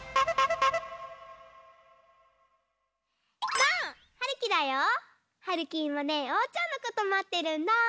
ばあっ！はるきだよ！はるきいまねおうちゃんのことまってるんだ！